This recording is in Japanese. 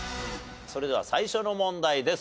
それでは最初の問題です。